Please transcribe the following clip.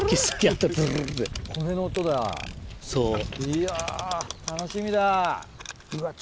いや楽しみだ。